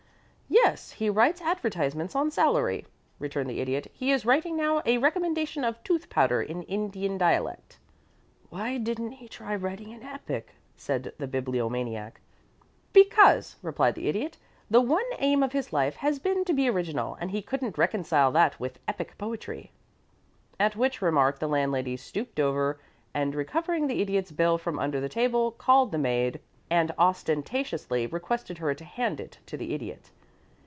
"Yes. He writes advertisements on salary," returned the Idiot. "He is writing now a recommendation of tooth powder in Indian dialect." "Why didn't he try writing an epic?" said the Bibliomaniac. [Illustration: "'HE GAVE UP JOKES'"] "Because," replied the Idiot, "the one aim of his life has been to be original, and he couldn't reconcile that with epic poetry." At which remark the landlady stooped over, and recovering the Idiot's bill from under the table, called the maid, and ostentatiously requested her to hand it to the Idiot.